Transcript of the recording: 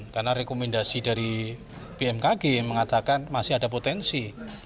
karena rekomendasi dari pmkg mengatakan masih ada potensi